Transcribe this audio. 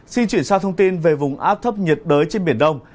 xin chuyển sang thông tin về vùng áp thấp nhiệt đới trên biển đông